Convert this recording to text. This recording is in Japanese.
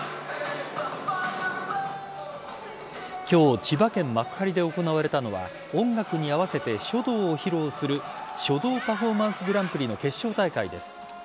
今日千葉県幕張で行われたのは音楽に合わせて書道を披露する書道パフォーマンスグランプリの決勝大会です。